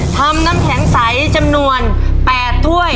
ทำน้ำแข็งใสจำนวน๘ถ้วย